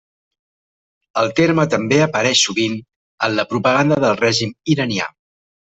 El terme també apareix sovint en la propaganda del règim iranià.